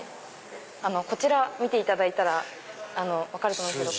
こちら見ていただいたら分かると思うんですけど。